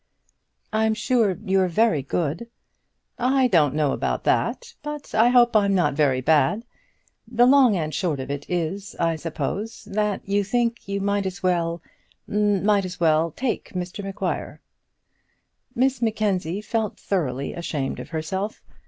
"I'm sure you're very good." "I don't know about that, but I hope I'm not very bad. The long and the short of it is, I suppose, that you think you might as well might as well take Mr Maguire." Miss Mackenzie felt thoroughly ashamed of herself.